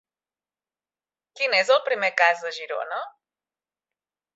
Quin és el primer cas a Girona?